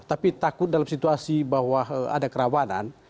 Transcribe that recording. tapi takut dalam situasi bahwa ada kerawanan